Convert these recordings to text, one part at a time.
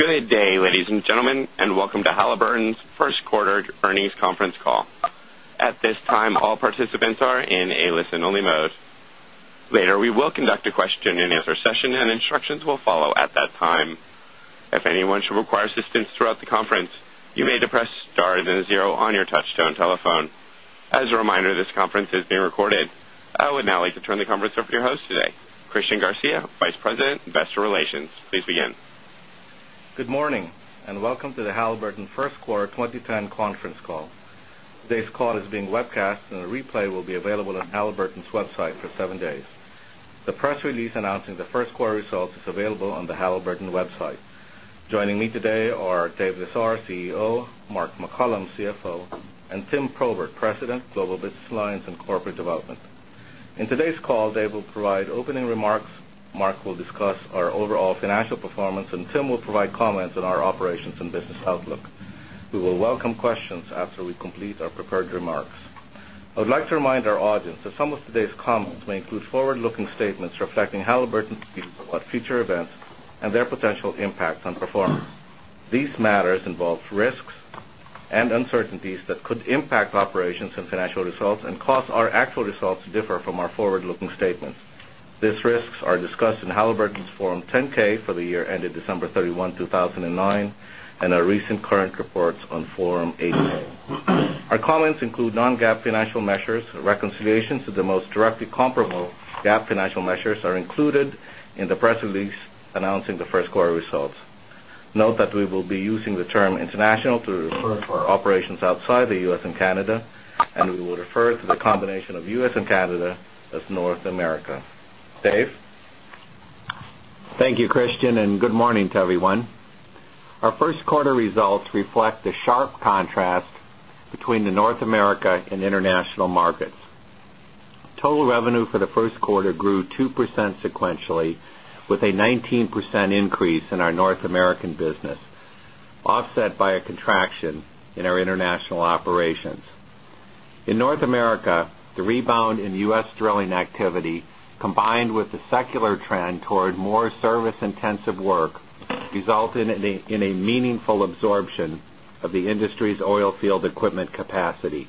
Good day, ladies and gentlemen, and welcome to Halliburton's First Quarter Earnings Conference Call. At this time, all participants are in a listen only mode. Later, we will conduct a question and answer session and instructions will follow at that time. If anyone should require assistance throughout the conference, you may to press star then zero on your touch tone telephone. As a reminder, this conference is being recorded. I would now like to turn the conference over to your host today, Christian Garcia, Vice President, Investor Relations. Please begin. Good morning, welcome to the Halliburton 1st quarter 2010 conference call. Today's call is being webcast, and a replay will be available on Halliburton's website for 7 days. The press release announcing the first quarter results is available on the Halliburton website. Joining me today are Dave Lesar, CEO, Mark McCollum, CFO, and Tim Probert, President, Global Business Lines and Corporate Development. In today's call, Dave will provide opening remarks, Mark will discuss our overall financial performance, and Tim will provide comments on our operations and business outlook. We will welcome questions after we complete our prepared remarks. I would like to remind our audience that some of today's comments may include forward-looking statements reflecting Halliburton's views about future events and their potential impact on performance. These matters involve risks and uncertainties that could impact operations and financial results and cause our actual results to differ from our forward-looking statements. These risks are discussed in Halliburton's Form 10-K for the year ended December 31, 2009, and our recent current reports on Form 8-K. Our comments include non-GAAP financial measures. Reconciliations to the most directly comparable GAAP financial measures are included in the press release announcing the first quarter results. Note that we will be using the term international to refer to our operations outside the U.S. and Canada, and we will refer to the combination of U.S. and Canada as North America. Dave? Thank you, Christian, and good morning to everyone. Our first quarter results reflect the sharp contrast between the North America and international markets. Total revenue for the first quarter grew 2% sequentially, with a 19% increase in our North American business, offset by a contraction in our international operations. In North America, the rebound in U.S. drilling activity, combined with the secular trend toward more service-intensive work, resulted in a meaningful absorption of the industry's oil field equipment capacity.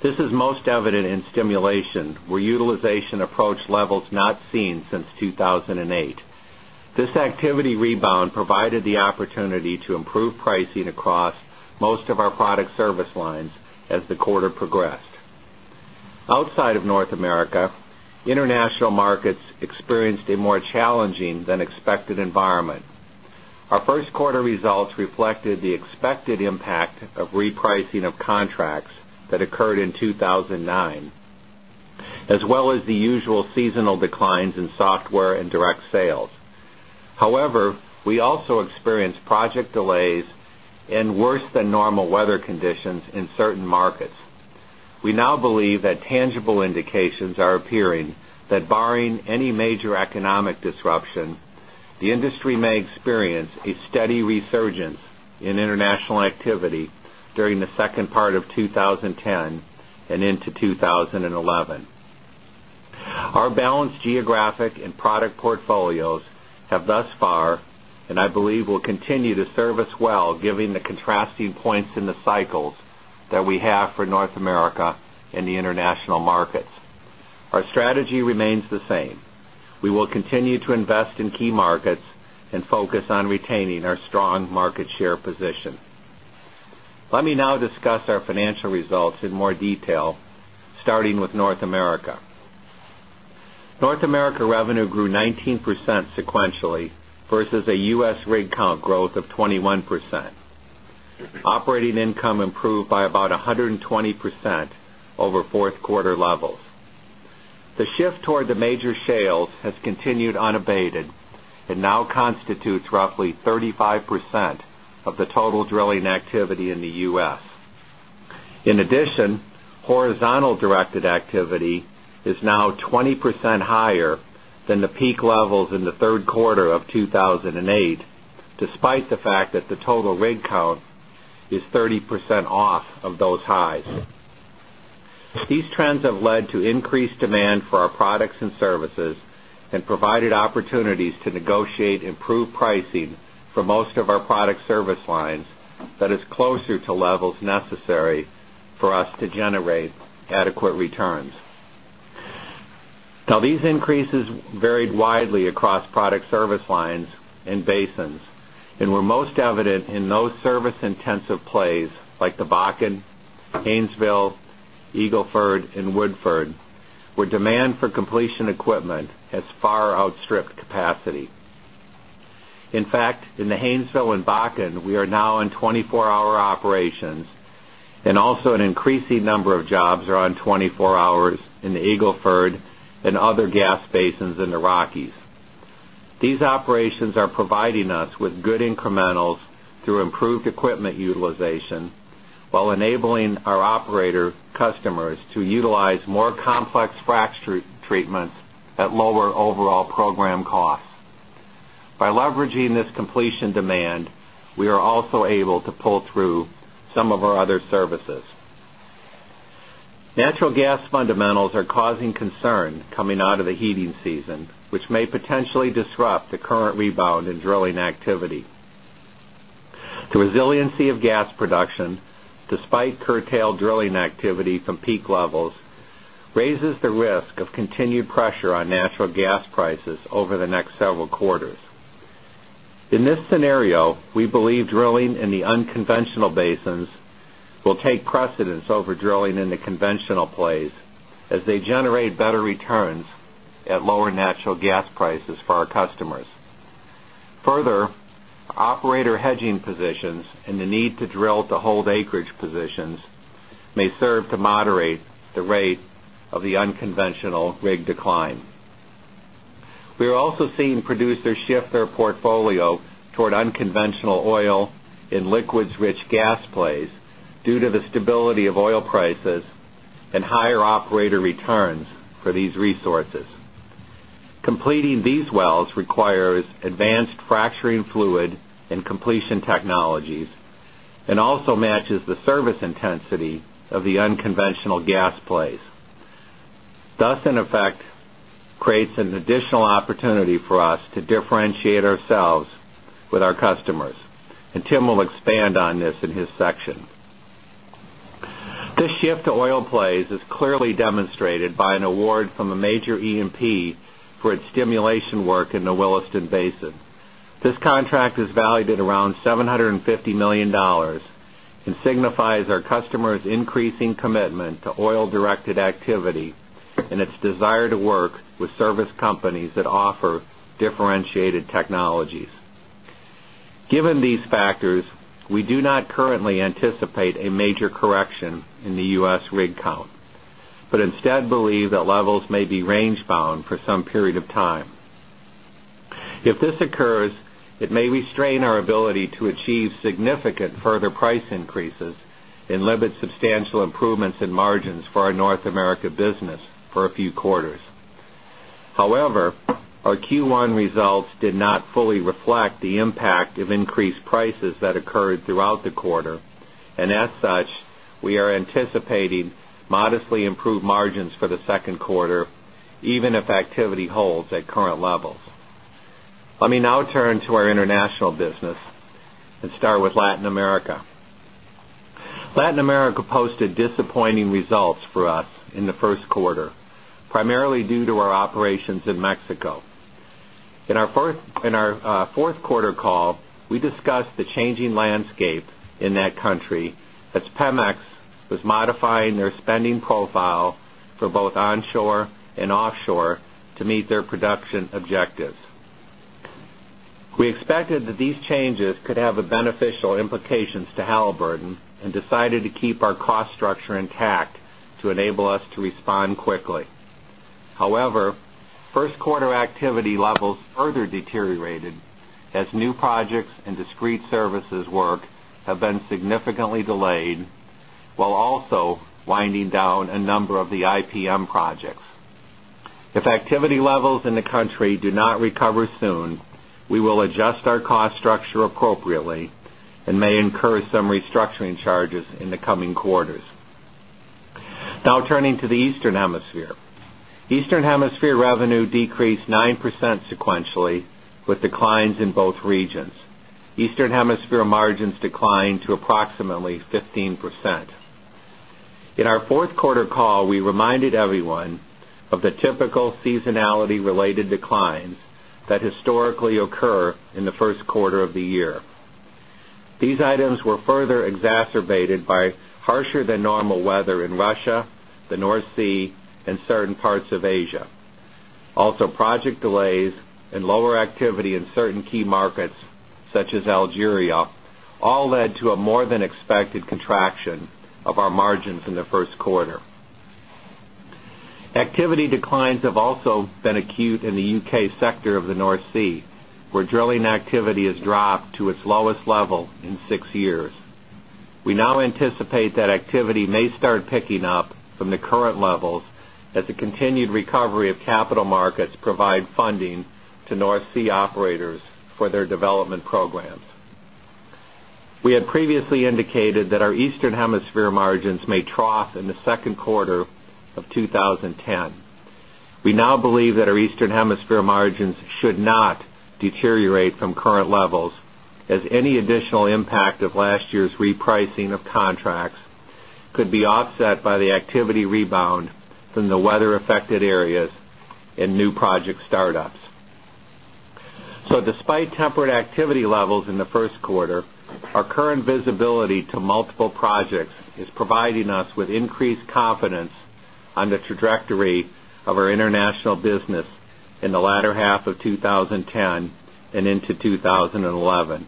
This is most evident in stimulation, where utilization approached levels not seen since 2008. This activity rebound provided the opportunity to improve pricing across most of our product service lines as the quarter progressed. Outside of North America, international markets experienced a more challenging than expected environment. Our first quarter results reflected the expected impact of repricing of contracts that occurred in 2009, as well as the usual seasonal declines in software and direct sales. However, we also experienced project delays and worse than normal weather conditions in certain markets. We now believe that tangible indications are appearing that barring any major economic disruption, the industry may experience a steady resurgence in international activity during the second part of 2010 and into 2011. Our balanced geographic and product portfolios have thus far, and I believe will continue, to serve us well, given the contrasting points in the cycles that we have for North America and the international markets. Our strategy remains the same. We will continue to invest in key markets and focus on retaining our strong market share position. Let me now discuss our financial results in more detail, starting with North America. North America revenue grew 19% sequentially versus a U.S. rig count growth of 21%. Operating income improved by about 120% over fourth quarter levels. The shift toward the major shales has continued unabated and now constitutes roughly 35% of the total drilling activity in the U.S. In addition, horizontal-directed activity is now 20% higher than the peak levels in the third quarter of 2008, despite the fact that the total rig count is 30% off of those highs. These trends have led to increased demand for our products and services and provided opportunities to negotiate improved pricing for most of our product service lines that is closer to levels necessary for us to generate adequate returns. These increases varied widely across product service lines and basins and were most evident in those service-intensive plays like the Bakken, Haynesville, Eagle Ford, and Woodford, where demand for completion equipment has far outstripped capacity. In fact, in the Haynesville and Bakken, we are now in 24-hour operations, and also an increasing number of jobs are on 24 hours in the Eagle Ford and other gas basins in the Rockies. These operations are providing us with good incrementals through improved equipment utilization while enabling our operator customers to utilize more complex fracture treatments at lower overall program costs. By leveraging this completion demand, we are also able to pull through some of our other services. Natural gas fundamentals are causing concern coming out of the heating season, which may potentially disrupt the current rebound in drilling activity. The resiliency of gas production, despite curtailed drilling activity from peak levels, raises the risk of continued pressure on natural gas prices over the next several quarters. In this scenario, we believe drilling in the unconventional basins will take precedence over drilling in the conventional plays as they generate better returns at lower natural gas prices for our customers. Further, operator hedging positions and the need to drill to hold acreage positions may serve to moderate the rate of the unconventional rig decline. We are also seeing producers shift their portfolio toward unconventional oil in liquids-rich gas plays due to the stability of oil prices and higher operator returns for these resources. Completing these wells requires advanced fracturing fluid and completion technologies and also matches the service intensity of the unconventional gas plays. This, in effect, creates an additional opportunity for us to differentiate ourselves with our customers, and Tim will expand on this in his section. This shift to oil plays is clearly demonstrated by an award from a major E&P for its stimulation work in the Williston Basin. This contract is valued at around $750 million and signifies our customers' increasing commitment to oil-directed activity and its desire to work with service companies that offer differentiated technologies. Given these factors, we do not currently anticipate a major correction in the U.S. rig count, instead believe that levels may be range-bound for some period of time. If this occurs, it may restrain our ability to achieve significant further price increases and limit substantial improvements in margins for our North America business for a few quarters. However, our Q1 results did not fully reflect the impact of increased prices that occurred throughout the quarter, and as such, we are anticipating modestly improved margins for the second quarter even if activity holds at current levels. Let me now turn to our international business and start with Latin America. Latin America posted disappointing results for us in the first quarter, primarily due to our operations in Mexico. In our fourth quarter call, we discussed the changing landscape in that country as Pemex was modifying their spending profile for both onshore and offshore to meet their production objectives. We expected that these changes could have a beneficial implications to Halliburton and decided to keep our cost structure intact to enable us to respond quickly. However, first quarter activity levels further deteriorated as new projects and discrete services work have been significantly delayed while also winding down a number of the IPM projects. If activity levels in the country do not recover soon, we will adjust our cost structure appropriately and may incur some restructuring charges in the coming quarters. Now, turning to the Eastern Hemisphere. Eastern Hemisphere revenue decreased 9% sequentially, with declines in both regions. Eastern Hemisphere margins declined to approximately 15%. In our fourth quarter call, we reminded everyone of the typical seasonality-related declines that historically occur in the first quarter of the year. These items were further exacerbated by harsher than normal weather in Russia, the North Sea, and certain parts of Asia. Also, project delays and lower activity in certain key markets, such as Algeria, all led to a more than expected contraction of our margins in the first quarter. Activity declines have also been acute in the U.K. sector of the North Sea, where drilling activity has dropped to its lowest level in six years. We now anticipate that activity may start picking up from the current levels as the continued recovery of capital markets provide funding to North Sea operators for their development programs. We had previously indicated that our Eastern Hemisphere margins may trough in the second quarter of 2010. We now believe that our Eastern Hemisphere margins should not deteriorate from current levels as any additional impact of last year's repricing of contracts could be offset by the activity rebound from the weather-affected areas and new project startups. Despite tempered activity levels in the first quarter, our current visibility to multiple projects is providing us with increased confidence on the trajectory of our international business in the latter half of 2010 and into 2011.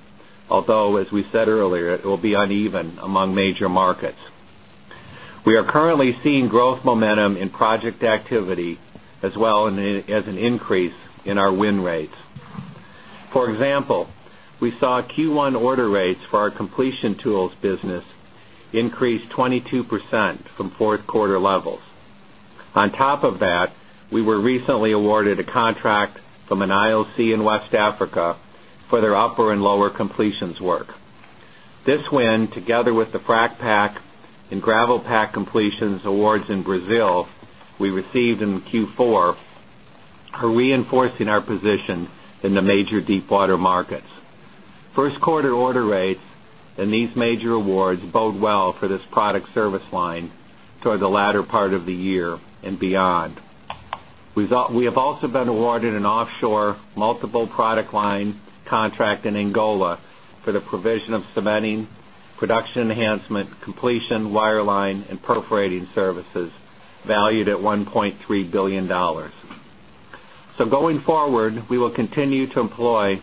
Although, as we said earlier, it will be uneven among major markets. We are currently seeing growth momentum in project activity as well as an increase in our win rates. For example, we saw Q1 order rates for our completion tools business increase 22% from fourth quarter levels. On top of that, we were recently awarded a contract from an IOC in West Africa for their upper and lower completions work. This win, together with the frac pack and gravel pack completions awards in Brazil we received in Q4, are reinforcing our position in the major deepwater markets. First quarter order rates and these major awards bode well for this product service line toward the latter part of the year and beyond. We have also been awarded an offshore multiple product line contract in Angola for the provision of cementing, production enhancement, completion, wireline, and perforating services valued at $1.3 billion. Going forward, we will continue to employ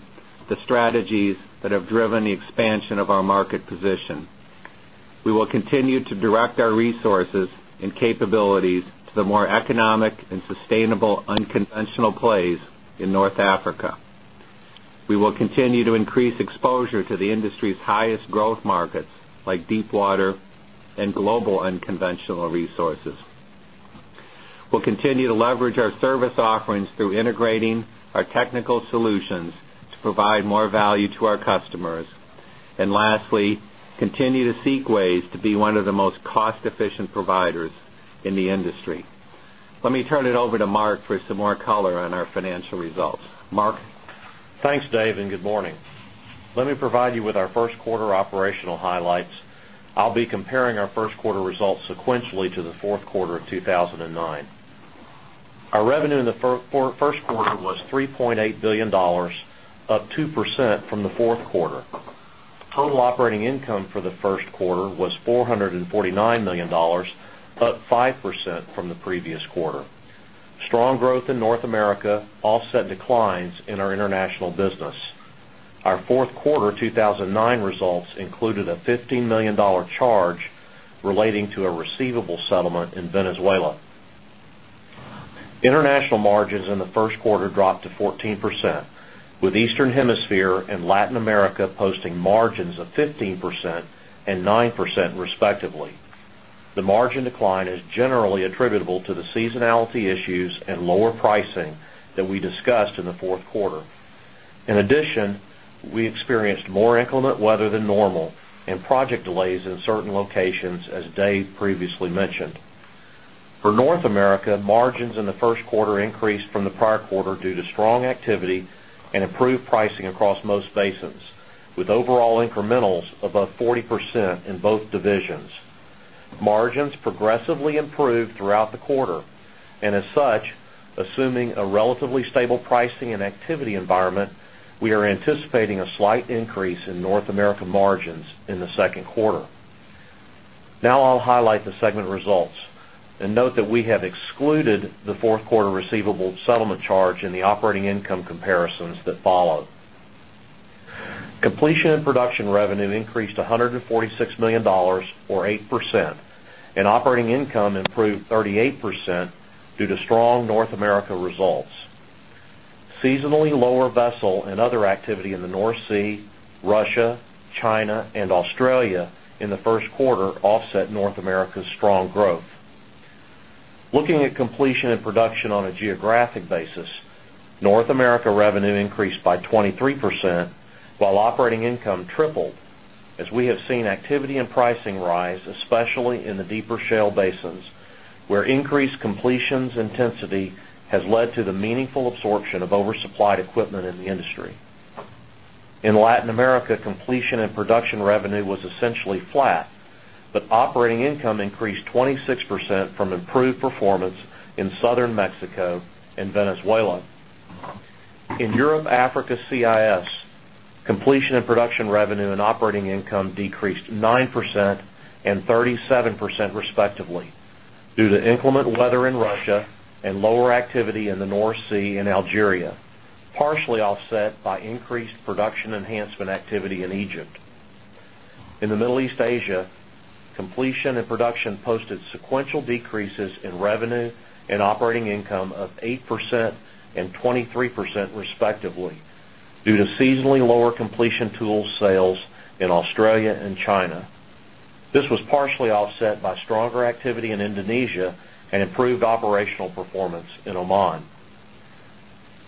the strategies that have driven the expansion of our market position. We will continue to direct our resources and capabilities to the more economic and sustainable unconventional plays in North America. We will continue to increase exposure to the industry's highest growth markets, like deepwater and global unconventional resources. We'll continue to leverage our service offerings through integrating our technical solutions to provide more value to our customers. Lastly, continue to seek ways to be one of the most cost-efficient providers in the industry. Let me turn it over to Mark for some more color on our financial results. Mark? Thanks, Dave, and good morning. Let me provide you with our first quarter operational highlights. I'll be comparing our first quarter results sequentially to the fourth quarter of 2009. Our revenue in the first quarter was $3.8 billion, up 2% from the fourth quarter. Total operating income for the first quarter was $449 million, up 5% from the previous quarter. Strong growth in North America offset declines in our international business. Our fourth quarter 2009 results included a $15 million charge relating to a receivable settlement in Venezuela. International margins in the first quarter dropped to 14%, with Eastern Hemisphere and Latin America posting margins of 15% and 9% respectively. The margin decline is generally attributable to the seasonality issues and lower pricing that we discussed in the fourth quarter. In addition, we experienced more inclement weather than normal and project delays in certain locations, as Dave previously mentioned. For North America, margins in the first quarter increased from the prior quarter due to strong activity and improved pricing across most basins, with overall incrementals above 40% in both divisions. Margins progressively improved throughout the quarter. As such, assuming a relatively stable pricing and activity environment, we are anticipating a slight increase in North America margins in the second quarter. Now I'll highlight the segment results and note that we have excluded the fourth quarter receivable settlement charge in the operating income comparisons that follow. Completion and Production revenue increased $146 million or 8%. Operating income improved 38% due to strong North America results. Seasonally lower vessel and other activity in the North Sea, Russia, China, and Australia in the first quarter offset North America's strong growth. Looking at completion and production on a geographic basis, North America revenue increased by 23%, while operating income tripled, as we have seen activity and pricing rise, especially in the deeper shale basins, where increased completions intensity has led to the meaningful absorption of oversupplied equipment in the industry. In Latin America, completion and production revenue was essentially flat, but operating income increased 26% from improved performance in Southern Mexico and Venezuela. In Europe, Africa, CIS, completion and production revenue and operating income decreased 9% and 37% respectively due to inclement weather in Russia and lower activity in the North Sea in Algeria, partially offset by increased production enhancement activity in Egypt. In the Middle East, Asia, completion and production posted sequential decreases in revenue and operating income of 8% and 23% respectively due to seasonally lower completion tool sales in Australia and China. This was partially offset by stronger activity in Indonesia and improved operational performance in Oman.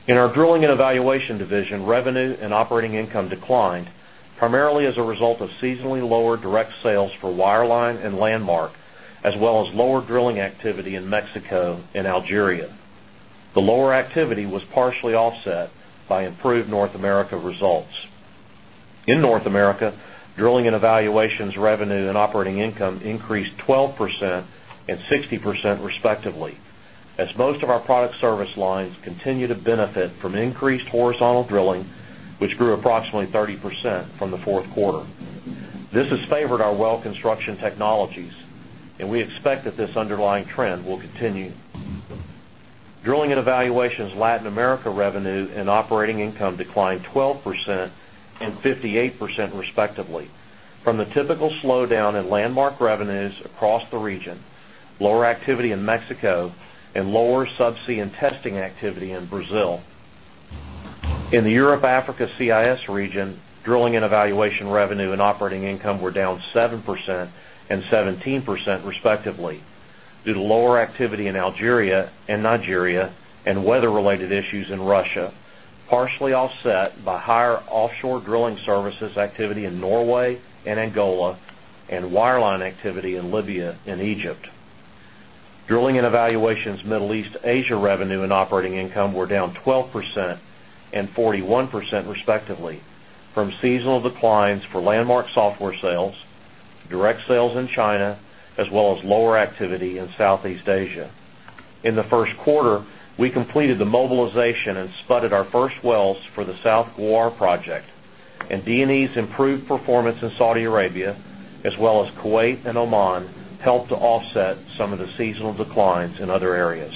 In our drilling and evaluation division, revenue and operating income declined primarily as a result of seasonally lower direct sales for wireline and Landmark, as well as lower drilling activity in Mexico and Algeria. The lower activity was partially offset by improved North America results. In North America, drilling and evaluations revenue and operating income increased 12% and 60% respectively, as most of our product service lines continue to benefit from increased horizontal drilling, which grew approximately 30% from the fourth quarter. This has favored our well construction technologies, and we expect that this underlying trend will continue. Drilling and evaluations Latin America revenue and operating income declined 12% and 58% respectively from the typical slowdown in Landmark revenues across the region, lower activity in Mexico, and lower subsea and testing activity in Brazil. In the Europe, Africa, CIS region, drilling and evaluation revenue and operating income were down 7% and 17% respectively, due to lower activity in Algeria and Nigeria and weather-related issues in Russia, partially offset by higher offshore drilling services activity in Norway and Angola and wireline activity in Libya and Egypt. Drilling and evaluations Middle East Asia revenue and operating income were down 12% and 41% respectively from seasonal declines for Landmark software sales, direct sales in China, as well as lower activity in Southeast Asia. In the first quarter, we completed the mobilization and spudded our first wells for the South Ghawar project, and D&E's improved performance in Saudi Arabia, as well as Kuwait and Oman, helped to offset some of the seasonal declines in other areas.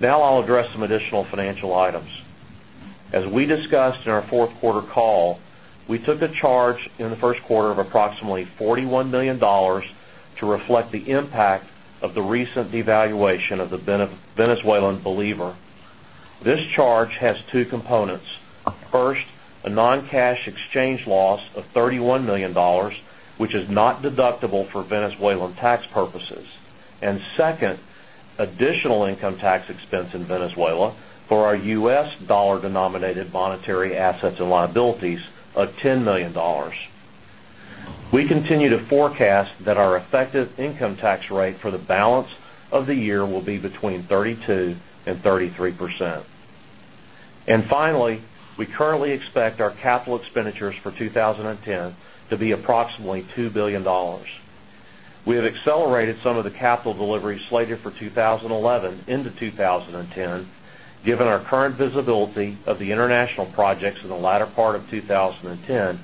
Now I'll address some additional financial items. As we discussed in our fourth quarter call, we took a charge in the first quarter of approximately $41 million to reflect the impact of the recent devaluation of the Venezuelan bolívar. This charge has two components. First, a non-cash exchange loss of $31 million, which is not deductible for Venezuelan tax purposes. Second, additional income tax expense in Venezuela for our U.S. dollar-denominated monetary assets and liabilities of $10 million. We continue to forecast that our effective income tax rate for the balance of the year will be between 32% and 33%. Finally, we currently expect our capital expenditures for 2010 to be approximately $2 billion. We have accelerated some of the capital delivery slated for 2011 into 2010, given our current visibility of the international projects in the latter part of 2010,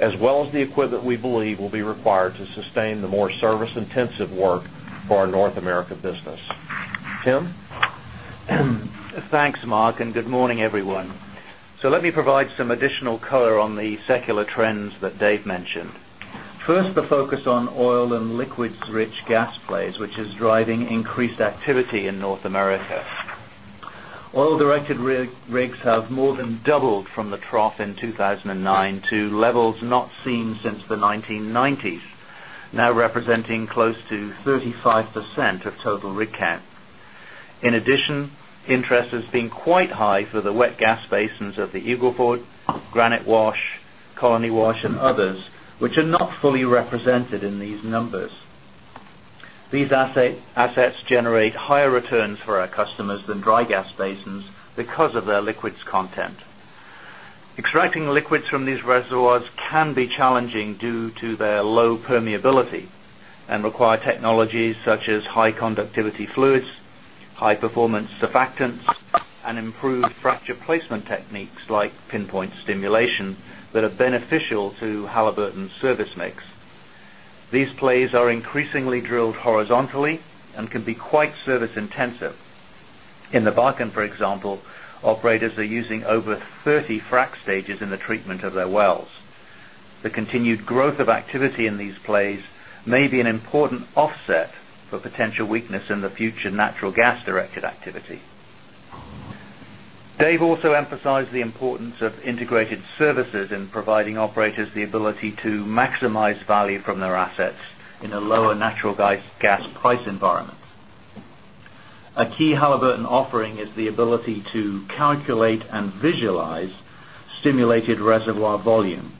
as well as the equipment we believe will be required to sustain the more service-intensive work for our North America business. Tim? Thanks, Mark, and good morning, everyone. Let me provide some additional color on the secular trends that Dave mentioned. First, the focus on oil and liquids-rich gas plays, which is driving increased activity in North America. Oil-directed rigs have more than doubled from the trough in 2009 to levels not seen since the 1990s, now representing close to 35% of total rig count. In addition, interest has been quite high for the wet gas basins of the Eagle Ford, Granite Wash, Colony Wash, and others, which are not fully represented in these numbers. These assets generate higher returns for our customers than dry gas basins because of their liquids content. Extracting liquids from these reservoirs can be challenging due to their low permeability and require technologies such as high conductivity fluids, high performance surfactants, and improved fracture placement techniques like PinPoint stimulation that are beneficial to Halliburton service mix. These plays are increasingly drilled horizontally and can be quite service intensive. In the Bakken, for example, operators are using over 30 frac stages in the treatment of their wells. The continued growth of activity in these plays may be an important offset for potential weakness in the future natural gas-directed activity. Dave also emphasized the importance of integrated services in providing operators the ability to maximize value from their assets in a lower natural gas price environment. A key Halliburton offering is the ability to calculate and visualize stimulated reservoir volume,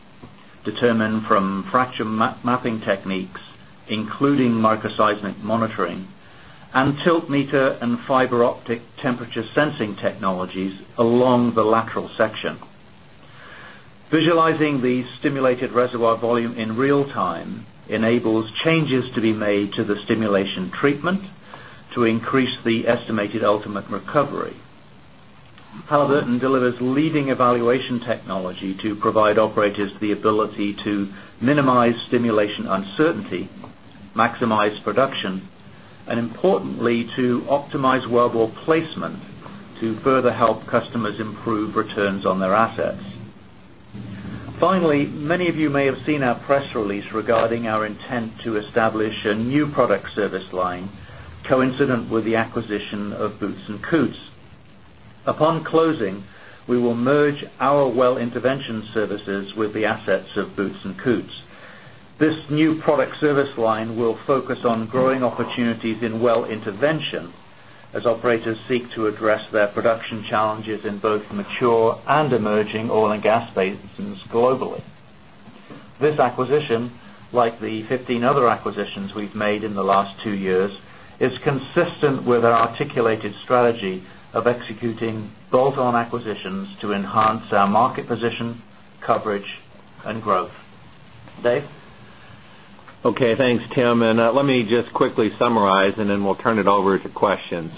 determined from fracture map, mapping techniques, including microseismic monitoring and tiltmeter and fiber optic temperature sensing technologies along the lateral section. Visualizing the stimulated reservoir volume in real time enables changes to be made to the stimulation treatment to increase the estimated ultimate recovery. Halliburton delivers leading evaluation technology to provide operators the ability to minimize stimulation uncertainty, maximize production, and importantly, to optimize wellbore placement to further help customers improve returns on their assets. Finally, many of you may have seen our press release regarding our intent to establish a new product service line coincident with the acquisition of Boots & Coots. Upon closing, we will merge our well intervention services with the assets of Boots & Coots. This new product service line will focus on growing opportunities in well intervention as operators seek to address their production challenges in both mature and emerging oil and gas basins globally. This acquisition, like the 15 other acquisitions we've made in the last two years, is consistent with our articulated strategy of executing bolt-on acquisitions to enhance our market position, coverage, and growth. Dave? Okay. Thanks, Tim. Let me just quickly summarize, and then we'll turn it over to questions.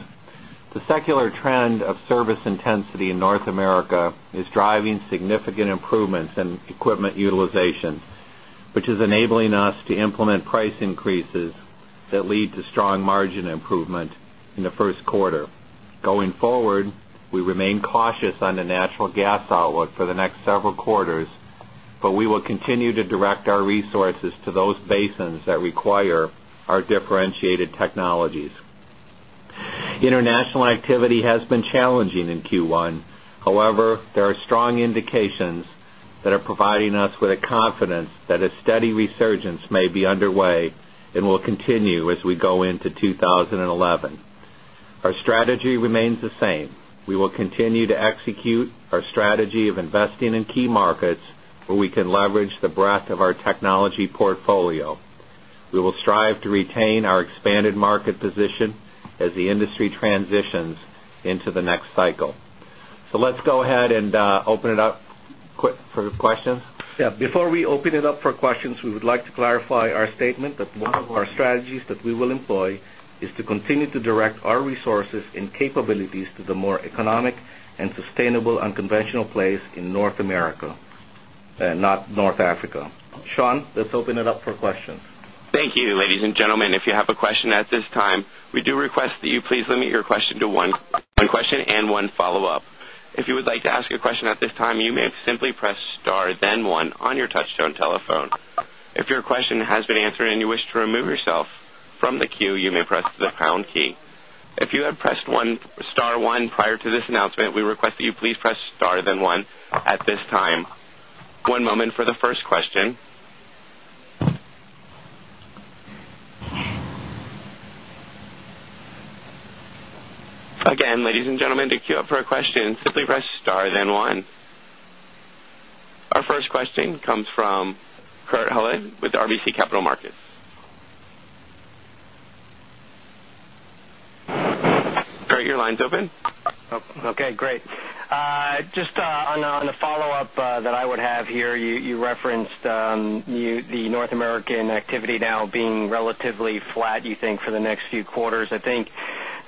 The secular trend of service intensity in North America is driving significant improvements in equipment utilization, which is enabling us to implement price increases that lead to strong margin improvement in the first quarter. Going forward, we remain cautious on the natural gas outlook for the next several quarters, but we will continue to direct our resources to those basins that require our differentiated technologies. International activity has been challenging in Q1. However, there are strong indications that are providing us with a confidence that a steady resurgence may be underway and will continue as we go into 2011. Our strategy remains the same. We will continue to execute our strategy of investing in key markets where we can leverage the breadth of our technology portfolio. We will strive to retain our expanded market position as the industry transitions into the next cycle. Let's go ahead and open it up for questions. Yeah. Before we open it up for questions, we would like to clarify our statement that one of our strategies that we will employ is to continue to direct our resources and capabilities to the more economic and sustainable unconventional plays in North America, not North Africa. Sean, let's open it up for questions. Thank you, ladies and gentlemen. If you have a question at this time, we do request that you please limit your question to one question and one follow-up. If you would like to ask a question at this time, you may simply press star then one on your touchtone telephone. If your question has been answered and you wish to remove yourself from the queue, you may press the pound key. If you have pressed star one prior to this announcement, we request that you please press star then one at this time. One moment for the first question. Again, ladies and gentlemen, to queue up for a question, simply press star then one. Our first question comes from Kurt Hallead with RBC Capital Markets. Kurt, your line's open. Okay, great. Just on a follow-up that I would have here, you referenced the North American activity now being relatively flat, you think, for the next few quarters. I think,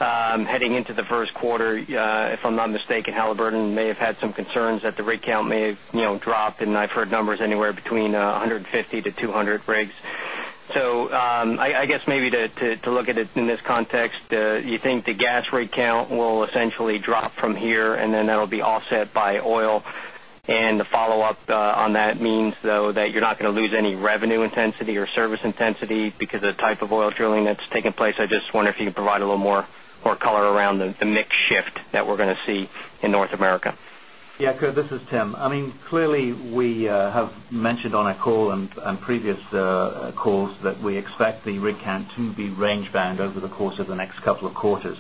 heading into the first quarter, if I'm not mistaken, Halliburton may have had some concerns that the rig count may have dropped, and I've heard numbers anywhere between 150-200 rigs. I guess maybe to look at it in this context, you think the gas rig count will essentially drop from here, and then that'll be offset by oil. The follow-up on that means, though, that you're not gonna lose any revenue intensity or service intensity because of the type of oil drilling that's taking place. I just wonder if you can provide a little more color around the mix shift that we're gonna see in North America. Yeah, Kurt, this is Tim. I mean, clearly, we have mentioned on our call and previous calls that we expect the rig count to be range-bound over the course of the next couple of quarters.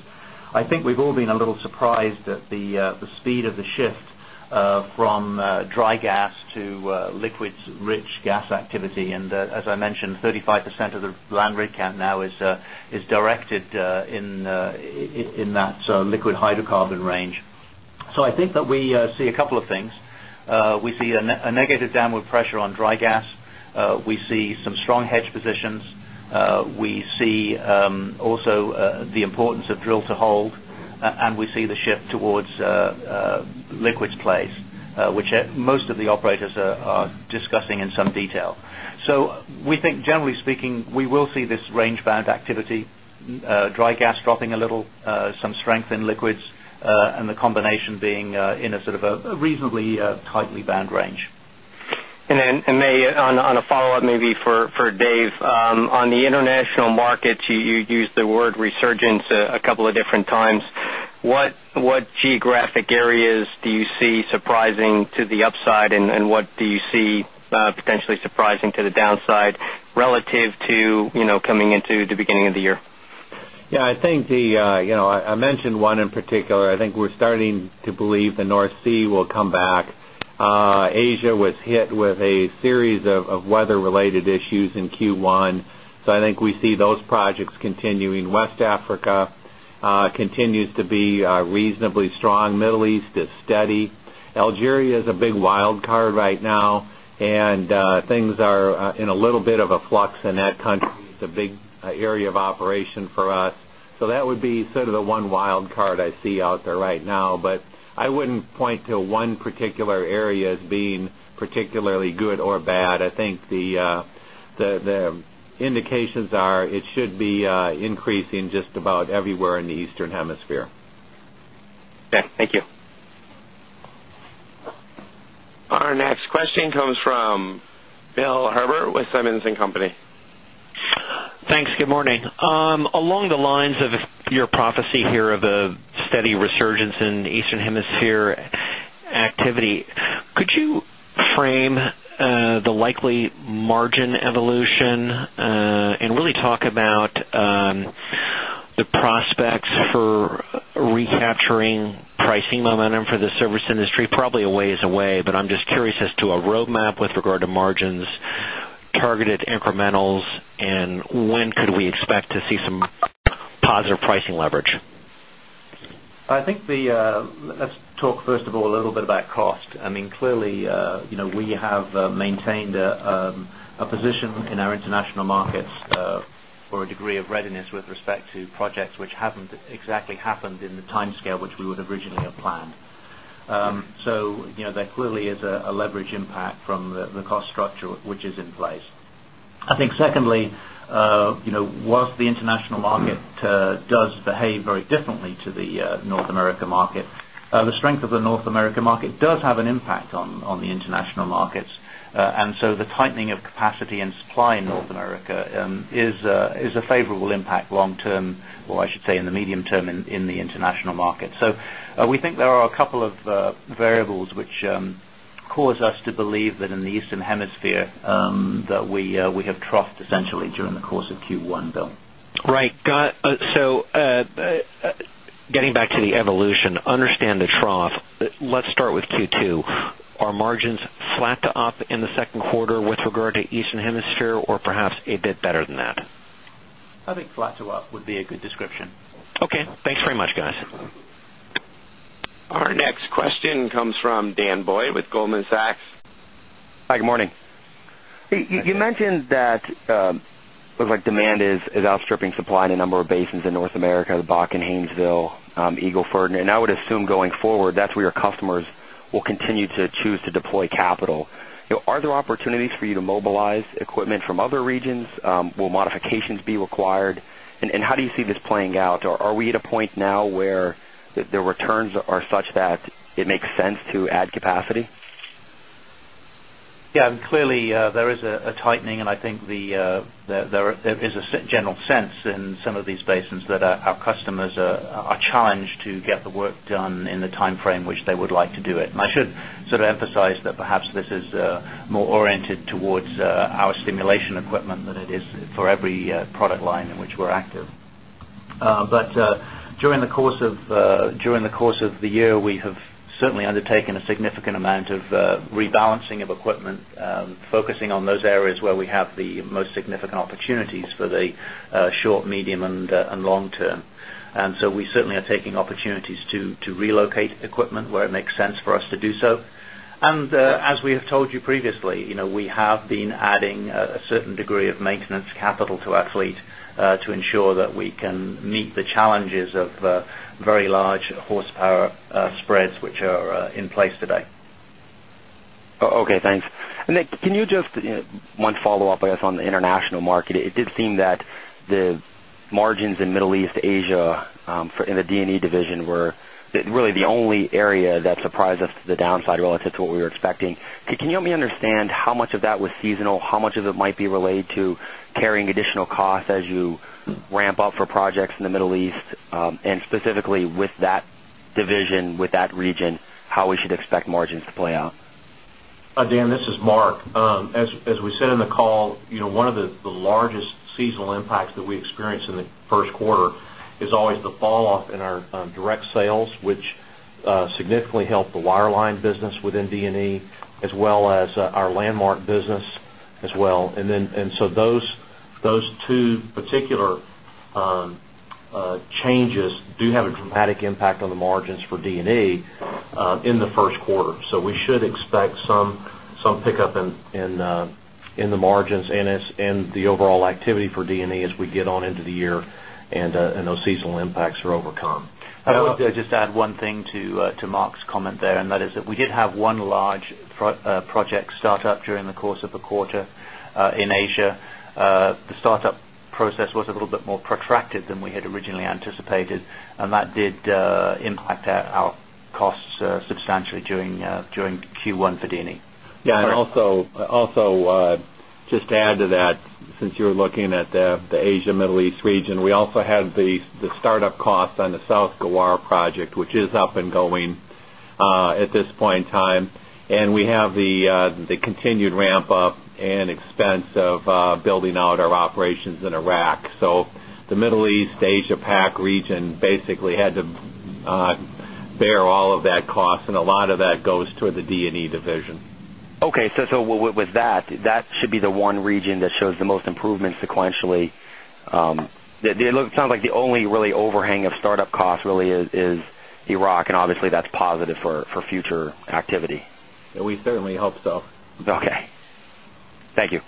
I think we've all been a little surprised at the speed of the shift from dry gas to liquids rich gas activity. As I mentioned, 35% of the land rig count now is directed in that liquid hydrocarbon range. I think that we see a couple of things. We see a negative downward pressure on dry gas. We see some strong hedge positions. We see also the importance of drill to hold, and we see the shift towards liquids plays, which most of the operators are discussing in some detail. We think, generally speaking, we will see this range-bound activity, dry gas dropping a little, some strength in liquids, and the combination being in a sort of a reasonably tightly bound range. On a follow-up maybe for Dave. On the international markets, you used the word resurgence a couple of different times. What geographic areas do you see surprising to the upside, and what do you see potentially surprising to the downside relative to, you know, coming into the beginning of the year? Yeah, I think the, you know, I mentioned one in particular. I think we're starting to believe the North Sea will come back. Asia was hit with a series of weather-related issues in Q1, so I think we see those projects continuing. West Africa continues to be reasonably strong. Middle East is steady. Algeria is a big wild card right now, and things are in a little bit of a flux in that country. It's a big area of operation for us. That would be sort of the one wild card I see out there right now, but I wouldn't point to one particular area as being particularly good or bad. I think the, the indications are it should be increasing just about everywhere in the eastern hemisphere. Okay. Thank you. Our next question comes from Bill Herbert with Simmons & Company. Thanks. Good morning. Along the lines of your prophecy here of a steady resurgence in eastern hemisphere activity, could you frame the likely margin evolution, and really talk about the prospects for recapturing pricing momentum for the service industry? Probably a ways away, but I am just curious as to a roadmap with regard to margins, targeted incrementals, and when could we expect to see some positive pricing leverage. I think the, let's talk first of all a little bit about cost. I mean, clearly, you know, we have maintained a position in our international markets for a degree of readiness with respect to projects which haven't exactly happened in the timescale which we would originally have planned. You know, there clearly is a leverage impact from the cost structure which is in place. I think secondly, you know, whilst the international market does behave very differently to the North America market, the strength of the North America market does have an impact on the international markets. The tightening of capacity and supply in North America is a favorable impact long term, or I should say in the medium term in the international market. We think there are a couple of variables which cause us to believe that in the Eastern Hemisphere, that we have troughed essentially during the course of Q1, Bill. Right. Getting back to the evolution, understand the trough. Let's start with Q2. Are margins flat to up in the second quarter with regard to Eastern Hemisphere or perhaps a bit better than that? I think flat to up would be a good description. Okay. Thanks very much, guys. Our next question comes from Dan Boyd with Goldman Sachs. Hi, good morning. Hi, Dan. You mentioned that it looks like demand is outstripping supply in a number of basins in North America, the Bakken, Haynesville, Eagle Ford. I would assume going forward, that's where your customers will continue to choose to deploy capital. You know, are there opportunities for you to mobilize equipment from other regions? Will modifications be required? How do you see this playing out? Or are we at a point now where the returns are such that it makes sense to add capacity? Yeah. Clearly, there is a tightening, and I think there is a general sense in some of these basins that our customers are challenged to get the work done in the timeframe which they would like to do it. And I should sort of emphasize that perhaps this is more oriented towards our stimulation equipment than it is for every product line in which we're active. During the course of the year, we have certainly undertaken a significant amount of rebalancing of equipment, focusing on those areas where we have the most significant opportunities for the short, medium, and long term. We certainly are taking opportunities to relocate equipment where it makes sense for us to do so. As we have told you previously, you know, we have been adding a certain degree of maintenance capital to our fleet, to ensure that we can meet the challenges of very large horsepower spreads which are in place today. Okay, thanks. Next, can you just, one follow-up, I guess, on the international market. It did seem that the margins in Middle East Asia, in the D&E division were really the only area that surprised us to the downside relative to what we were expecting. Can you help me understand how much of that was seasonal, how much of it might be related to carrying additional costs as you ramp up for projects in the Middle East? Specifically with that division, with that region, how we should expect margins to play out. Dan, this is Mark. As we said in the call, you know, one of the largest seasonal impacts that we experience in the first quarter is always the fall off in our direct sales, which significantly help the wireline business within D&E, as well as our Landmark business as well. Those two particular changes do have a dramatic impact on the margins for D&E in the first quarter. We should expect some pickup in the margins and in the overall activity for D&E as we get on into the year and those seasonal impacts are overcome. I would just add one thing to Mark's comment there, and that is that we did have one large project start up during the course of the quarter in Asia. The startup process was a little bit more protracted than we had originally anticipated, and that did impact our costs substantially during Q1 for D&E. Yeah. Also, also, just to add to that, since you're looking at the Asia, Middle East region, we also had the start-up cost on the South Ghawar project, which is up and going at this point in time. We have the continued ramp up and expense of building out our operations in Iraq. The Middle East, Asia PAC region basically had to bear all of that cost, and a lot of that goes toward the D&E division. Okay. With that should be the one region that shows the most improvement sequentially. It sounds like the only really overhang of start-up costs really is Iraq, and obviously, that's positive for future activity. We certainly hope so. Okay. Thank you.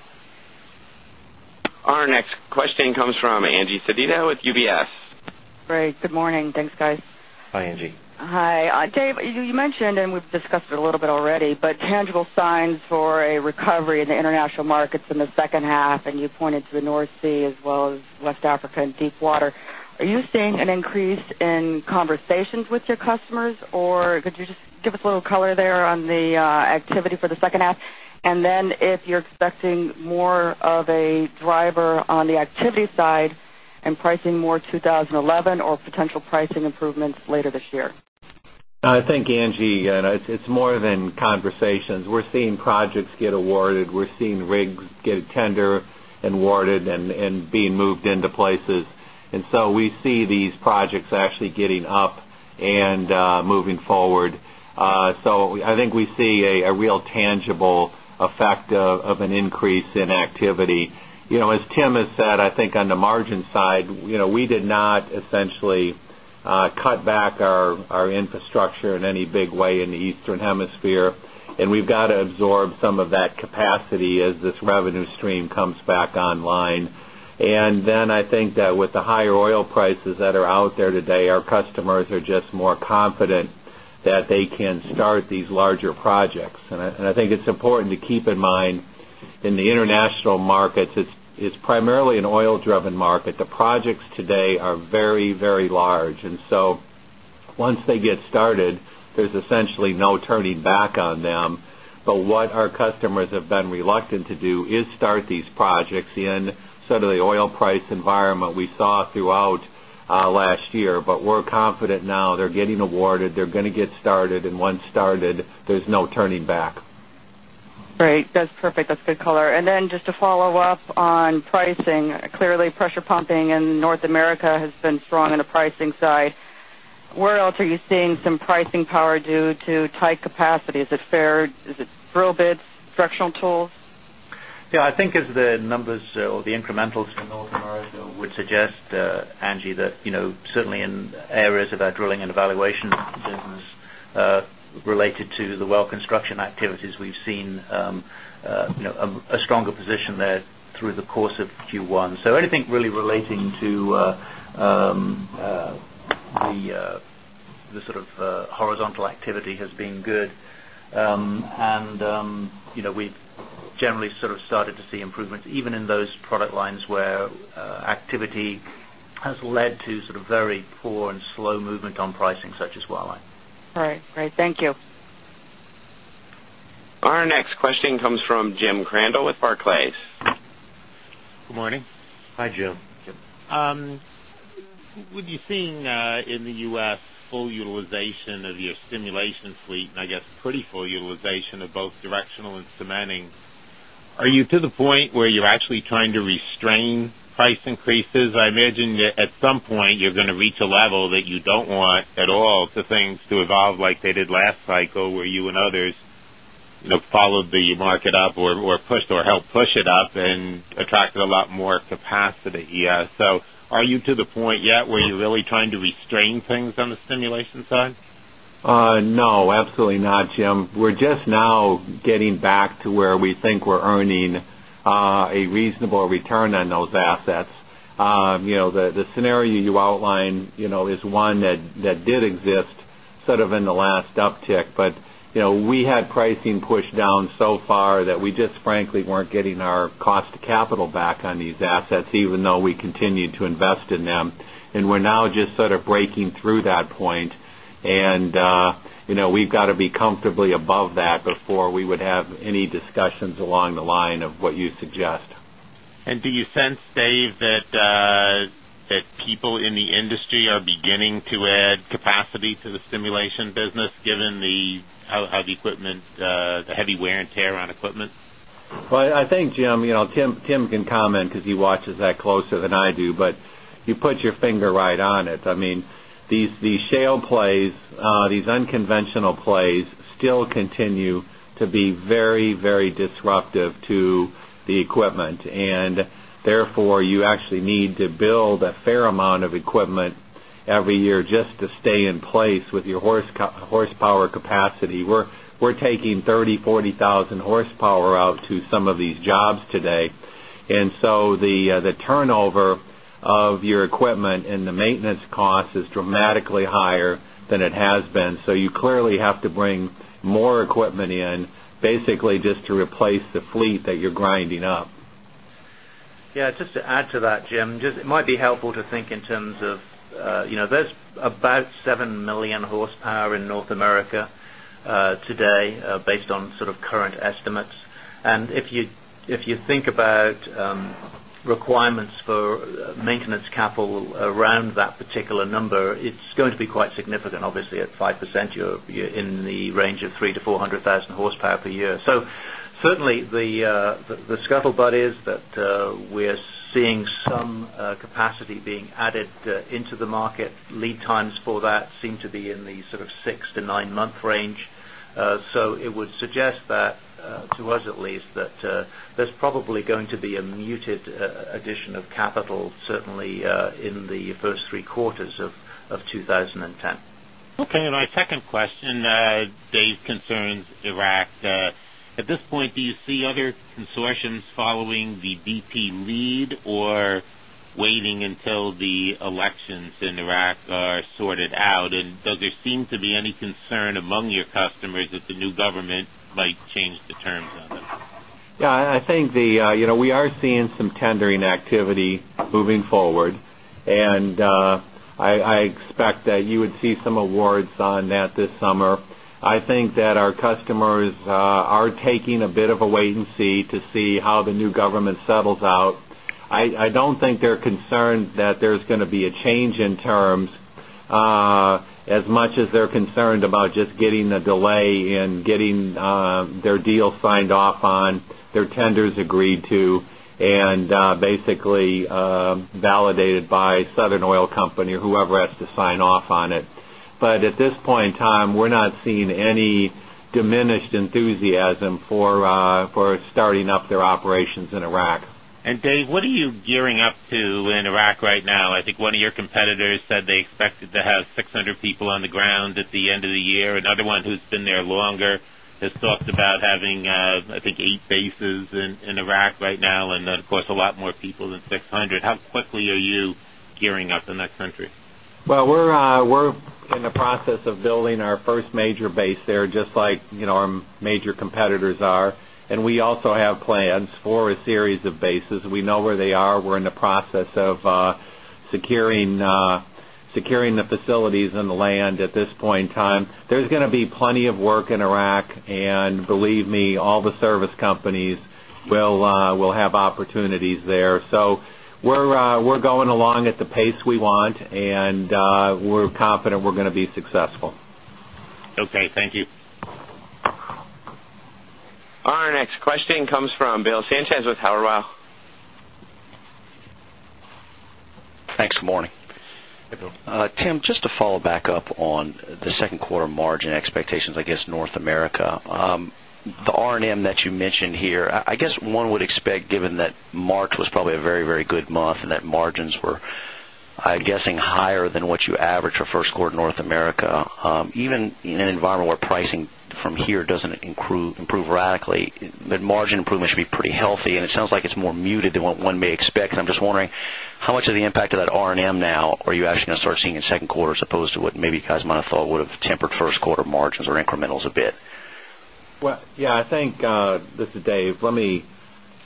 Our next question comes from Angie Sedita with UBS. Great. Good morning. Thanks, guys. Hi, Angie. Hi. Dave, you mentioned, and we've discussed it a little bit already, but tangible signs for a recovery in the international markets in the second half, and you pointed to the North Sea as well as West Africa and deep water. Are you seeing an increase in conversations with your customers? Could you just give us a little color there on the activity for the second half? Then if you're expecting more of a driver on the activity side and pricing more 2011 or potential pricing improvements later this year. I think, Angie, it's more than conversations. We're seeing projects get awarded. We're seeing rigs get tender and awarded and being moved into places. We see these projects actually getting up and moving forward. I think we see a real tangible effect of an increase in activity. You know, as Tim has said, I think on the margin side, you know, we did not essentially cut back our infrastructure in any big way in the Eastern Hemisphere, and we've got to absorb some of that capacity as this revenue stream comes back online. I think that with the higher oil prices that are out there today, our customers are just more confident that they can start these larger projects. I think it's important to keep in mind in the international markets, it's primarily an oil-driven market. The projects today are very large. Once they get started, there's essentially no turning back on them. What our customers have been reluctant to do is start these projects in sort of the oil price environment we saw throughout last year. We're confident now they're getting awarded, they're gonna get started, and once started, there's no turning back. Great. That's perfect. That's good color. Just to follow up on pricing. Clearly, pressure pumping in North America has been strong on the pricing side. Where else are you seeing some pricing power due to tight capacity? Is it fair? Is it drill bits, fracturing tool? I think as the numbers or the incrementals in North America would suggest, Angie, that, you know, certainly in areas of our drilling and evaluation business, related to the well construction activities we've seen, you know, a stronger position there through the course of Q1. Anything really relating to the sort of horizontal activity has been good. You know, we've generally sort of started to see improvements even in those product lines where activity has led to sort of very poor and slow movement on pricing, such as wireline. All right. Great. Thank you. Our next question comes from Jim Crandell with Barclays. Good morning. Hi, Jim. With you seeing in the U.S. full utilization of your stimulation fleet, and I guess pretty full utilization of both directional and cementing, are you to the point where you're actually trying to restrain price increases? I imagine that at some point, you're gonna reach a level that you don't want at all for things to evolve like they did last cycle, where you and others, you know, followed the market up or pushed or helped push it up and attracted a lot more capacity. Yeah. Are you to the point yet where you're really trying to restrain things on the stimulation side? No, absolutely not, Jim. We're just now getting back to where we think we're earning a reasonable return on those assets. You know, the scenario you outlined, you know, is one that did exist sort of in the last uptick. You know, we had pricing pushed down so far that we just frankly weren't getting our cost to capital back on these assets, even though we continued to invest in them. We're now just sort of breaking through that point. You know, we've got to be comfortably above that before we would have any discussions along the line of what you suggest. Do you sense, Dave, that people in the industry are beginning to add capacity to the stimulation business, given how the equipment, the heavy wear and tear on equipment? I think, Jim, you know, Tim can comment because he watches that closer than I do, but you put your finger right on it. I mean, these shale plays, these unconventional plays still continue to be very, very disruptive to the equipment. Therefore, you actually need to build a fair amount of equipment every year just to stay in place with your horsepower capacity. We're taking 30,000-40,000 hp out to some of these jobs today. So the turnover of your equipment and the maintenance cost is dramatically higher than it has been. You clearly have to bring more equipment in, basically just to replace the fleet that you're grinding up. Yeah. Just to add to that, Jim, just it might be helpful to think in terms of, you know, there's about 7 million hp in North America today, based on sort of current estimates. And if you, if you think about requirements for maintenance capital around that particular number, it's going to be quite significant. Obviously, at 5%, you're in the range of 300,000-400,000 horsepower per year. Certainly the, the scuttlebutt is that we're seeing some capacity being added into the market. Lead times for that seem to be in the sort of six-to-nine-month range. It would suggest that to us at least, that there's probably going to be a muted addition of capital, certainly, in the first three quarters of 2010. Okay. My second question, Dave, concerns Iraq. At this point, do you see other consortiums following the BP lead or waiting until the elections in Iraq are sorted out? Does there seem to be any concern among your customers that the new government might change the terms on them? Yeah. I think the, you know, we are seeing some tendering activity moving forward. I expect that you would see some awards on that this summer. I think that our customers are taking a bit of a wait and see to see how the new government settles out. I don't think they're concerned that there's gonna be a change in terms as much as they're concerned about just getting a delay in getting their deal signed off on, their tenders agreed to, and basically, validated by Southern Oil Company or whoever has to sign off on it. At this point in time, we're not seeing any diminished enthusiasm for starting up their operations in Iraq. Dave, what are you gearing up to in Iraq right now? I think one of your competitors said they expected to have 600 people on the ground at the end of the year. Another one who's been there longer has talked about having, I think eight bases in Iraq right now, and of course, a lot more people than 600. How quickly are you gearing up in that country? Well, we're in the process of building our first major base there, just like, you know, our major competitors are. We also have plans for a series of bases. We know where they are. We're in the process of securing the facilities and the land at this point in time. There's gonna be plenty of work in Iraq, and believe me, all the service companies will have opportunities there. We're going along at the pace we want, and we're confident we're gonna be successful. Okay. Thank you. Our next question comes from Bill Sanchez with Howard Weil. Thanks. Good morning. Hey, Bill. Tim, just to follow back up on the second quarter margin expectations, I guess North America. The R&M that you mentioned here, I guess one would expect, given that March was probably a very, very good month and that margins were, I'm guessing, higher than what you average for first quarter North America. Even in an environment where pricing from here doesn't improve radically, the margin improvement should be pretty healthy, and it sounds like it's more muted than what one may expect. I'm just wondering how much of the impact of that R&M now are you actually gonna start seeing in second quarter as opposed to what maybe you guys might have thought would have tempered first quarter margins or incrementals a bit? Yeah, I think, this is Dave. Let me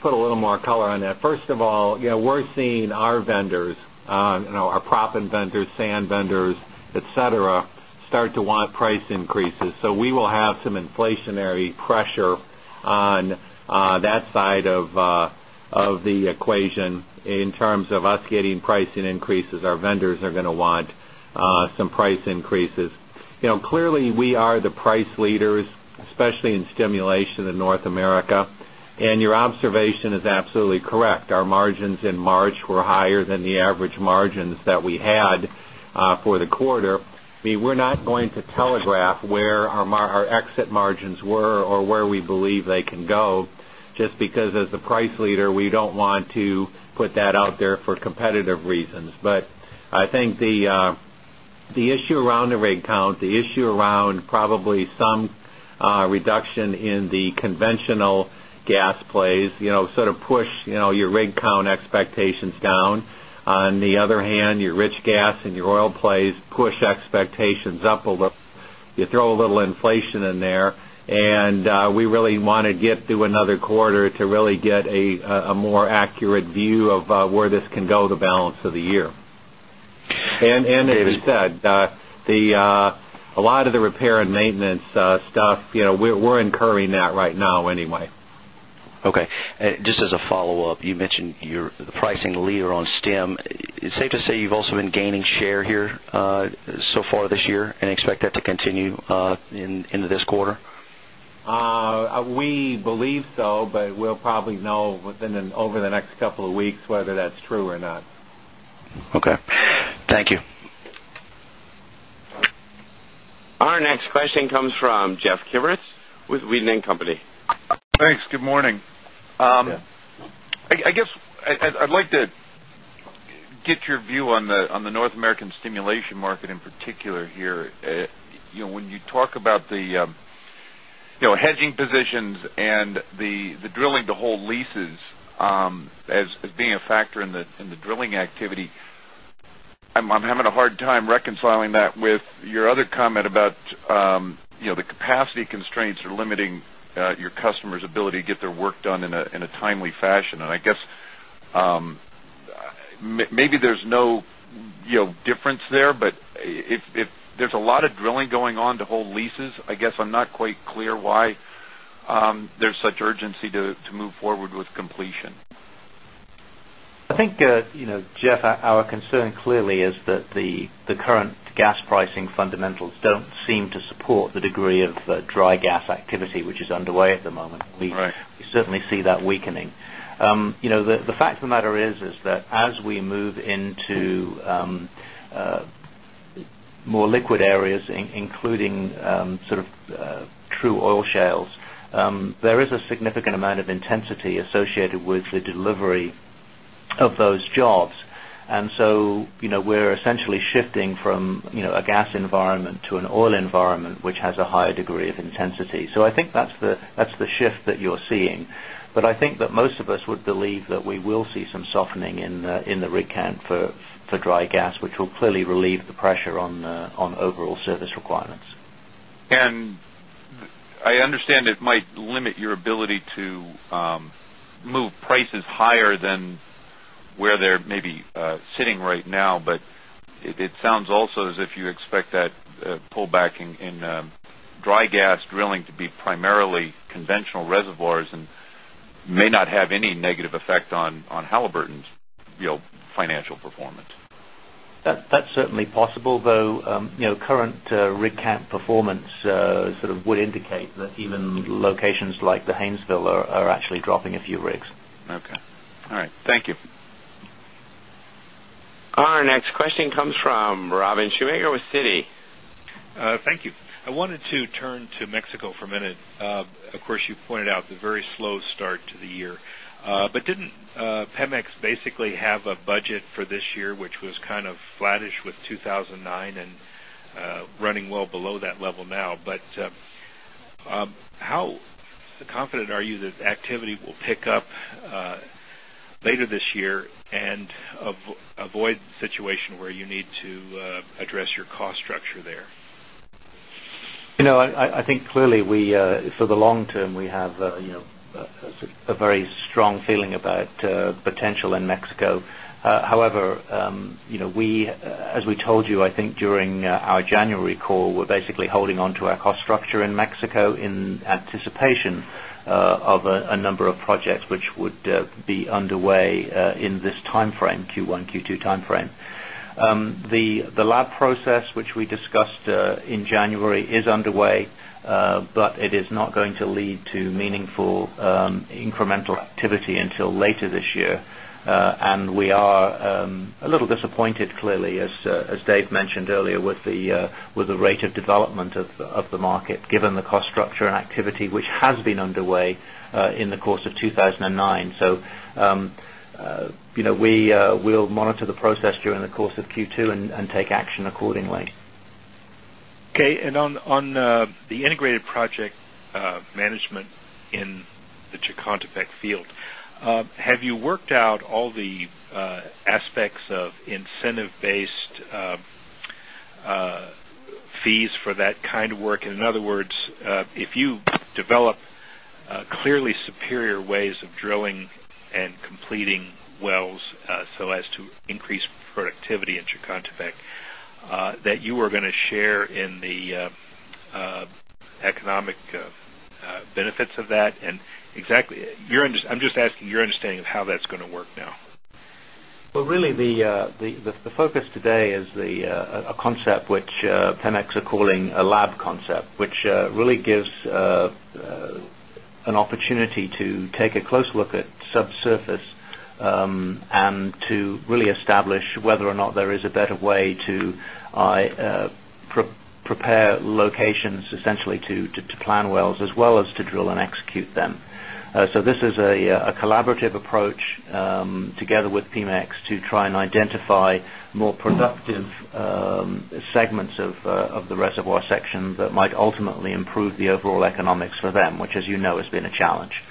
put a little more color on that. First of all, you know, we're seeing our vendors, you know, our proppant vendors, sand vendors, et cetera, start to want price increases. We will have some inflationary pressure on that side of the equation in terms of us getting pricing increases. Our vendors are gonna want some price increases. You know, clearly we are the price leaders, especially in stimulation in North America. Your observation is absolutely correct. Our margins in March were higher than the average margins that we had for the quarter. I mean, we're not going to telegraph where our exit margins were or where we believe they can go, just because as the price leader, we don't want to put that out there for competitive reasons. I think the issue around the rig count, the issue around probably some, reduction in the conventional gas plays, you know, sort of push, you know, your rig count expectations down. On the other hand, your rich gas and your oil plays push expectations up a little. You throw a little inflation in there, we really wanna get through another quarter to really get a more accurate view of, where this can go the balance of the year. Dave— As you said, a lot of the repair and maintenance stuff, you know, we're incurring that right now anyway. Okay. Just as a follow-up, you mentioned you're the pricing leader on stim. Is it safe to say you've also been gaining share here, so far this year and expect that to continue into this quarter? We believe so, but we'll probably know over the next couple of weeks whether that's true or not. Okay. Thank you. Our next question comes from Geoff Kieburtz with Weeden & Co. Thanks. Good morning. Yeah. I guess I'd like to get your view on the North American stimulation market in particular here. You know, when you talk about the, you know, hedging positions and the drilling to hold leases, as being a factor in the drilling activity, I'm having a hard time reconciling that with your other comment about, you know, the capacity constraints are limiting your customers' ability to get their work done in a timely fashion. I guess, maybe there's no, you know, difference there, but if there's a lot of drilling going on to hold leases, I guess I'm not quite clear why there's such urgency to move forward with completion. I think, you know, Geoff, our concern clearly is that the current gas pricing fundamentals don't seem to support the degree of dry gas activity which is underway at the moment. Right. We certainly see that weakening. you know, the fact of the matter is that as we move into more liquid areas in-including sort of true oil shales, there is a significant amount of intensity associated with the delivery of those jobs. you know, we're essentially shifting from, you know, a gas environment to an oil environment, which has a higher degree of intensity. I think that's the, that's the shift that you're seeing. I think that most of us would believe that we will see some softening in the, in the rig count for dry gas, which will clearly relieve the pressure on overall service requirements. I understand it might limit your ability to move prices higher than where they're maybe sitting right now. It sounds also as if you expect that pull back in dry gas drilling to be primarily conventional reservoirs and may not have any negative effect on Halliburton's, you know, financial performance. That's certainly possible, though, you know, current rig count performance sort of would indicate that even locations like the Haynesville are actually dropping a few rigs. Okay. All right. Thank you. Our next question comes from Robin Shoemaker with Citi. Thank you. I wanted to turn to Mexico for a minute. Of course, you pointed out the very slow start to the year. Didn't Pemex basically have a budget for this year, which was kind of flattish with 2009 and running well below that level now. How confident are you that activity will pick up later this year and avoid the situation where you need to address your cost structure there? You know, I think clearly we for the long term, we have, you know, a very strong feeling about potential in Mexico. However, you know, we, as we told you, I think during our January call, we're basically holding onto our cost structure in Mexico in anticipation of a number of projects which would be underway in this timeframe, Q1, Q2 timeframe. The lab process, which we discussed in January is underway, but it is not going to lead to meaningful incremental activity until later this year. We are a little disappointed, clearly, as Dave mentioned earlier, with the rate of development of the market, given the cost structure and activity which has been underway in the course of 2009. You know, we'll monitor the process during the course of Q2 and take action accordingly. Okay. On the integrated project management in the Chicontepec field, have you worked out all the aspects of incentive-based fees for that kind of work? In other words, if you develop clearly superior ways of drilling and completing wells, so as to increase productivity in Chicontepec, that you are gonna share in the economic benefits of that? Exactly, I'm just asking your understanding of how that's gonna work now. Well, really the focus today is the a concept which Pemex are calling a lab concept, which really gives an opportunity to take a close look at subsurface and to really establish whether or not there is a better way to pre-prepare locations essentially to plan wells as well as to drill and execute them. So this is a collaborative approach together with Pemex to try and identify more productive segments of the reservoir section that might ultimately improve the overall economics for them, which, as you know, has been a challenge.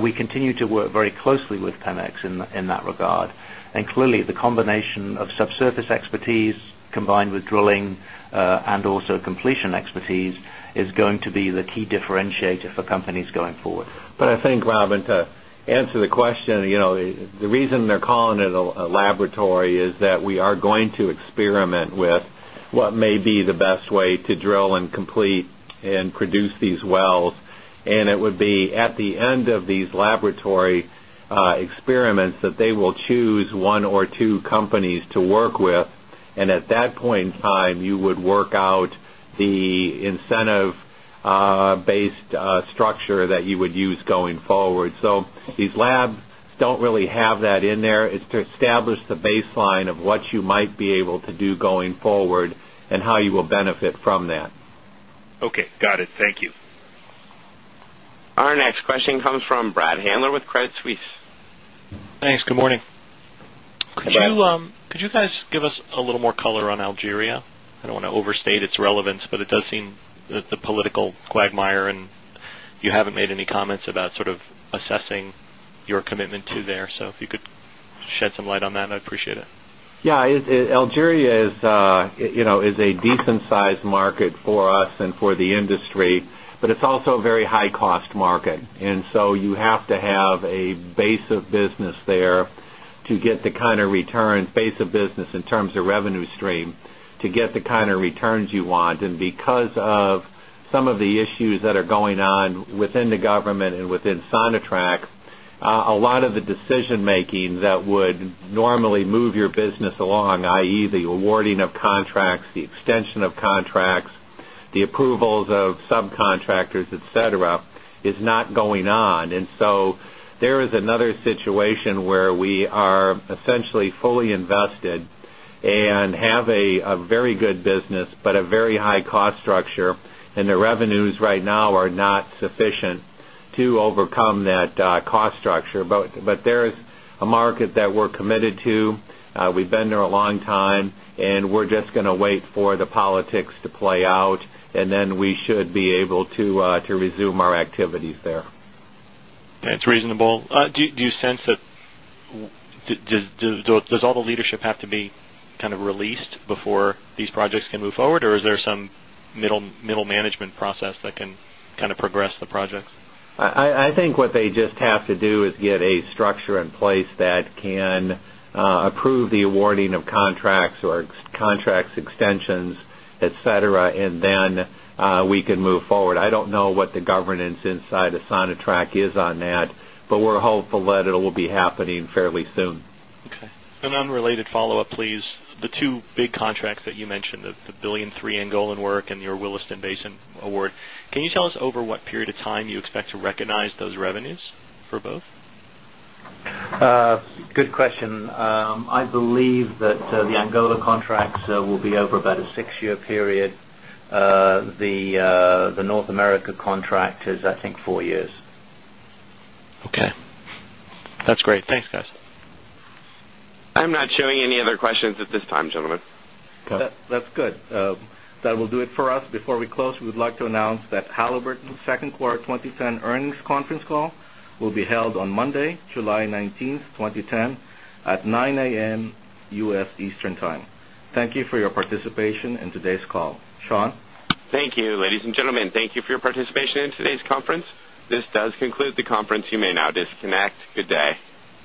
We continue to work very closely with Pemex in that regard. Clearly, the combination of subsurface expertise combined with drilling and also completion expertise is going to be the key differentiator for companies going forward. I think, Robin, to answer the question, you know, the reason they're calling it a laboratory is that we are going to experiment with what may be the best way to drill and complete and produce these wells. It would be at the end of these laboratory experiments that they will choose one or two companies to work with. At that point in time, you would work out the incentive based structure that you would use going forward. These labs don't really have that in there. It's to establish the baseline of what you might be able to do going forward and how you will benefit from that. Okay. Got it. Thank you. Our next question comes from Brad Handler with Credit Suisse. Thanks. Good morning. Hey, Brad. Could you guys give us a little more color on Algeria? I don't wanna overstate its relevance, but it does seem the political quagmire, and you haven't made any comments about sort of assessing your commitment to there. If you could shed some light on that, I'd appreciate it. Yeah. Algeria is, you know, is a decent-sized market for us and for the industry, but it's also a very high-cost market. So you have to have a base of business there to get the kind of return, base of business in terms of revenue stream, to get the kind of returns you want. Because of some of the issues that are going on within the government and within SONATRACH, a lot of the decision-making that would normally move your business along, i.e., the awarding of contracts, the extension of contracts, the approvals of subcontractors, et cetera, is not going on. So there is another situation where we are essentially fully invested and have a very good business, but a very high cost structure. The revenues right now are not sufficient to overcome that cost structure. There is a market that we're committed to. We've been there a long time, and we're just gonna wait for the politics to play out, and then we should be able to to resume our activities there. That's reasonable. Do you sense that all the leadership have to be kind of released before these projects can move forward, or is there some middle management process that can kind of progress the projects? I think what they just have to do is get a structure in place that can approve the awarding of contracts or contracts extensions, et cetera, and then we can move forward. I don't know what the governance inside of SONATRACH is on that, but we're hopeful that it'll be happening fairly soon. Okay. An unrelated follow-up, please. The two big contracts that you mentioned, the billion three Angolan work and your Williston Basin award, can you tell us over what period of time you expect to recognize those revenues for both? Good question. I believe that the Angola contracts will be over about a six-year period. The North America contract is, I think, four years. Okay. That's great. Thanks, guys. I'm not showing any other questions at this time, gentlemen. Okay. That's good. That will do it for us. Before we close, we would like to announce that Halliburton second quarter 2010 earnings conference call will be held on Monday, July 19th, 2010 at 9:00 A.M. U.S. Eastern Time. Thank you for your participation in today's call. Sean? Thank you, ladies and gentlemen. Thank you for your participation in today's conference. This does conclude the conference. You may now disconnect. Good day.